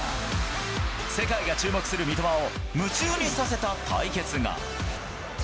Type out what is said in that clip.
世界が注目する三笘を、夢中にさせた対決が。